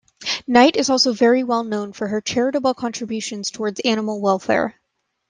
Night is also very well known for her charitable contributions towards animal welfare.